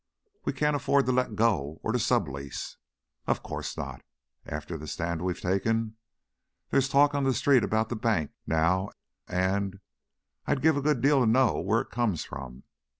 "We can't afford to let go, or to sub lease " "Of course not, after the stand we've taken. There's talk on the street about the bank, now, and I'd give a good deal to know where it comes from."